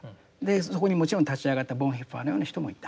そこにもちろん立ち上がったボンヘッファーのような人もいた。